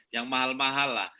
yang mahal mahal lah